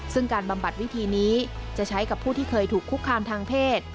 ซึ่งการบำบัดวิธีนี้จะใช้กับผู้ที่เคยถูกคุกคามทางเพศ